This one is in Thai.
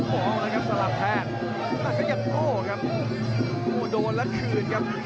โอ้เอาเลยครับสลับแพทย์นับขยะโก้ครับโหโดลัดขึะครับ